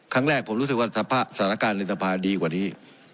ครั้งแรกผมรู้สึกว่าศาลการณ์ศาลการณ์ศาลการณ์ดีกว่านี้